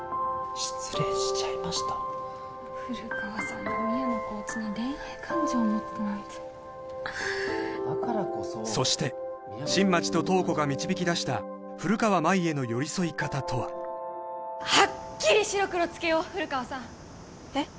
古川さんが宮野コーチに恋愛感情を持ってたなんてそして新町と塔子が導き出した古川舞への寄り添い方とははっきり白黒つけよう古川さんえっ？